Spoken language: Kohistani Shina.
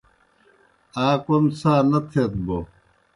آ کوْم څھا نہ تھیت بوْ